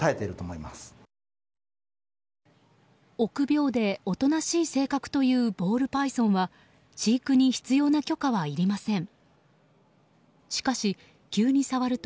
臆病で、おとなしい性格というボールパイソンは飼育に必要な許可はいりません。